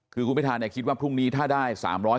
คือคุณพิธาคิดว่าพรุ่งนี้ถ้าได้๓๕